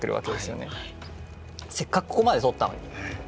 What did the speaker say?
せっかくここまで取ったのに。